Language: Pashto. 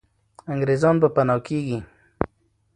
انګریزان به پنا کېږي.